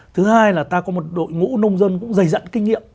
thứ hai là ta có một đội ngũ nông dân cũng dày dặn kinh nghiệm